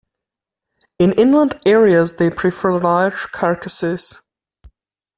In inland areas, they prefer large carcasses.